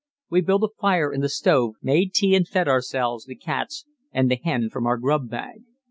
We built a fire in the stove, made tea and fed ourselves, the cats, and the hen from our grub bag.